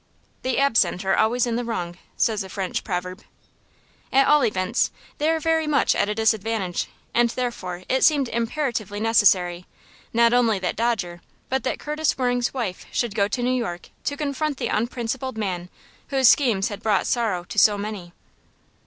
"The absent are always in the wrong," says a French proverb. At all events, they are very much at a disadvantage, and therefore it seemed imperatively necessary, not only that Dodger, but that Curtis Waring's wife should go to New York to confront the unprincipled man whose schemes had brought sorrow to so many.